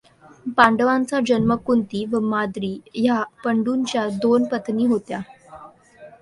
पांडवांचा जन्म कुंती व माद्री ह्या पंडूच्या दोन पत् नी होत्या.